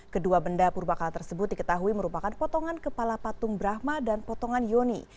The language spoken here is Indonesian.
kedua benda purbakal tersebut diketahui merupakan potongan kepala patung brahma dan potongan yoni